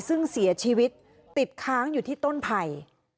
ซึ่งเสียชีวิตติดค้างอยู่ที่ต้นไผ่